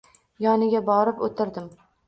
Yoniga borib o`tirdim